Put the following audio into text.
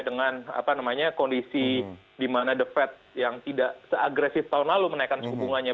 dengan kondisi di mana the fed yang tidak seagresif tahun lalu menaikkan suku bunganya